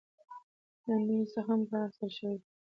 لنډيو څخه هم کار اخيستل شوى دى .